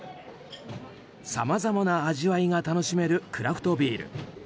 さまざまな味わいが楽しめるクラフトビール。